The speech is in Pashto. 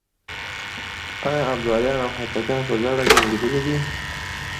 آيا ابداليان او هوتکان په ګډه جنګېدلي دي؟